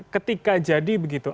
ketika jadi begitu